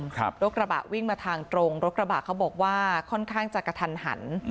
รถกระบะวิ่งมาทางตรงรถกระบะเขาบอกว่าค่อนข้างจะกระทันหัน